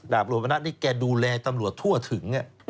ดาบรวมณัฏนี่แกดูแลตำรวจทั่วถึงเนี่ย